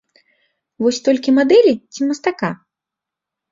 Вось толькі мадэлі ці мастака?